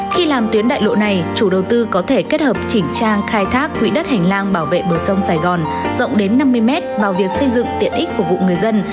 khi làm tuyến đại lộ này chủ đầu tư có thể kết hợp chỉnh trang khai thác quỹ đất hành lang bảo vệ bờ sông sài gòn rộng đến năm mươi m vào việc xây dựng tiện ích phục vụ người dân